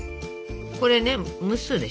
これね蒸すでしょ